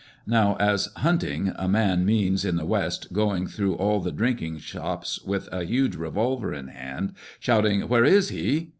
Now, as " hunting" a man means, in the West, going through all the drinking shops with a huge revolver in hand, shouting " Where is he